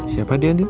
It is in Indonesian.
siapa dia andin